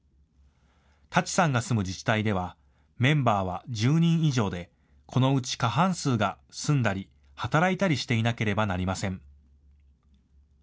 多智さんが住む自治体ではメンバーは１０人以上でこのうち過半数が住んだり働いたりしていなければなりません。